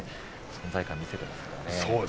存在感を見せていますね。